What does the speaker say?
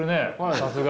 さすが。